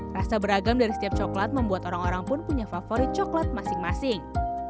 rasa beragam dari setiap coklat membuat orang orang pun punya favorit coklat masing masing